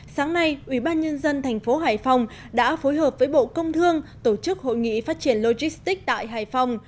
sáng nay ủy ban nhân dân thành phố hải phòng đã phối hợp với bộ công thương tổ chức hội nghị phát triển logistics tại hải phòng